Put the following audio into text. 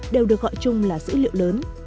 đều được gọi chung là dữ liệu lớn